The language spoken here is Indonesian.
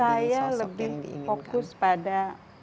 saya lebih fokus pada